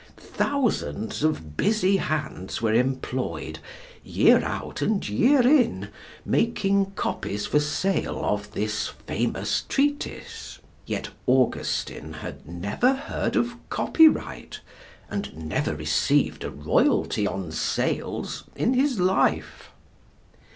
Thousands of busy hands were employed, year out and year in, making copies for sale of this famous treatise. Yet Augustine had never heard of copyright, and never received a royalty on sales in his life.